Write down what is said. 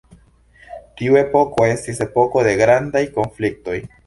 Tiu epoko estis epoko de grandaj konfliktoj.